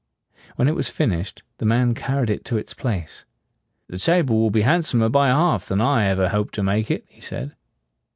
When it was finished, the man carried it to its place. "The table will be hand som er by half than I ever hoped to make it," he said.